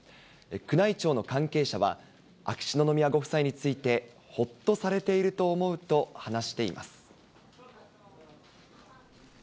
宮内庁の関係者は、秋篠宮ご夫妻について、ほっとされていると思うと話しています。